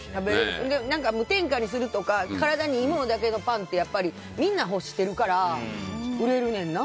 無添加にするとか体にいいものだけのパンってやっぱりみんな欲しているから売れるねんな。